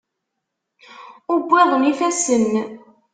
Ur wwiḍen yifassen.